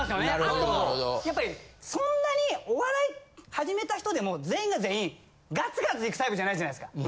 あとやっぱりそんなにお笑い始めた人でも全員が全員ガツガツ行くタイプじゃないじゃないですか。